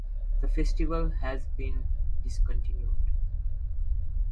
The Festival has been discontinued.